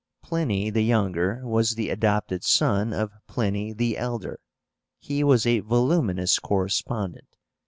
Pliny the Younger was the adopted son of Pliny the Elder. He was a voluminous correspondent.